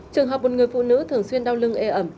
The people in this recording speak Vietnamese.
trường hợp một người phụ nữ thường xuyên đau lưng e ẩm